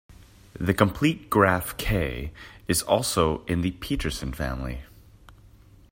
The complete graph "K" is also in the Petersen family.